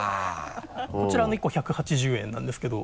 こちら１個１８０円なんですけど。